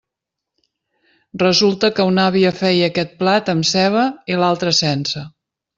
Resulta que una àvia feia aquest plat amb ceba i l'altra sense.